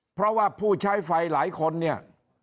เพราะว่าผู้ใช้ไฟหลายคนเนี่ย